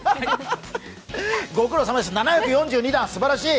ご苦労様です、７４２段すばらしい！